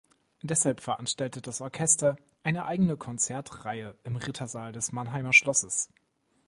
Deshalb veranstaltet das Orchester eine eigene Konzertreihe im Rittersaal des Mannheimer Schlosses.